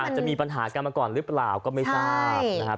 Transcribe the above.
จะมีปัญหากันมาก่อนหรือเปล่าก็ไม่ทราบนะครับ